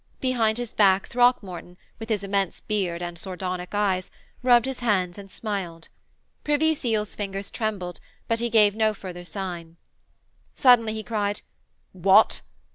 Behind his back Throckmorton, with his immense beard and sardonic eyes, rubbed his hands and smiled. Privy Seal's fingers trembled, but he gave no further sign. Suddenly he cried, 'What!'